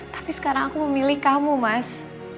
tapi sekarang aku memilih kamu mas